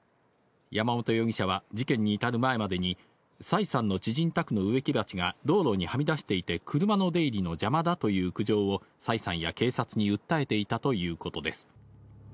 山本容疑者は事件に至る前までに、崔さんの知人宅の植木鉢が道路にはみ出していて、車の出入りの邪魔だという苦情を、崔さんや警察に訴えていたということです。